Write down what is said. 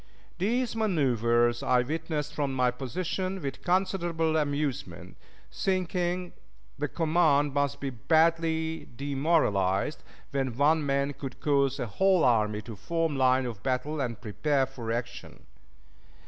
These manoeuvers I witnessed from my position with considerable amusement, thinking the command must be badly demoralized when one man could cause a whole army to form line of battle and prepare for action.